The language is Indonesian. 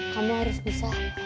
kamu harus bisa